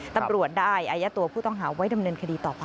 ตำรวจได้อายัดตัวผู้ต้องหาไว้ดำเนินคดีต่อไป